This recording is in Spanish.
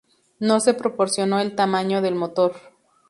No se proporcionó el tamaño del motor.